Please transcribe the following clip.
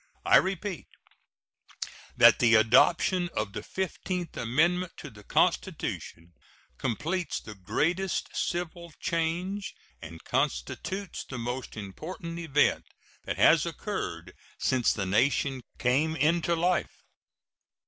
I repeat that the adoption of the fifteenth amendment to the Constitution completes the greatest civil change and constitutes the most important event that has occurred since the nation came into life.